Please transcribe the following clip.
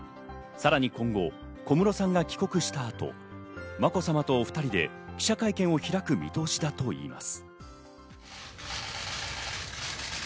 さらに今後、小室さんが帰国した後、まこさまとお２人で記者会見を開く見通しだといいます。